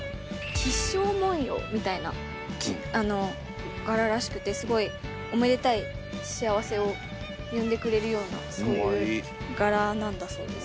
吉祥文様みたいな柄らしくてすごいおめでたい幸せを呼んでくれるようなそういう柄なんだそうです。